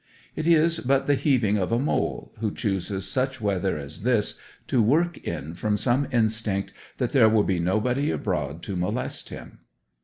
It is but the heaving of a mole who chooses such weather as this to work in from some instinct that there will be nobody abroad to molest him.